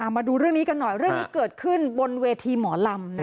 มาดูเรื่องนี้กันหน่อยเรื่องนี้เกิดขึ้นบนเวทีหมอลำ